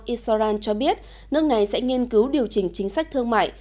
iswaran cho biết nước này sẽ nghiên cứu điều chỉnh chính sách thương mại